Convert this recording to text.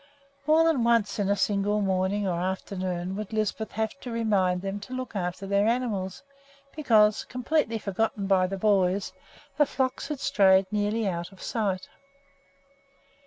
More than once in a single morning or afternoon would Lisbeth have to remind them to look after their animals, because, completely forgotten by the boys, the flocks had strayed nearly out of sight.